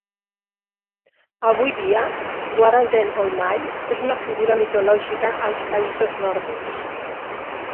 Avui dia, Waralden Olmai és una figura mitològica als països nòrdics.